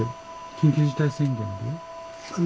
緊急事態宣言で？